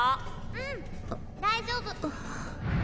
うん大丈夫。